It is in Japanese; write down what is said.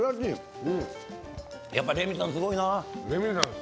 やっぱ、レミさんすごいな。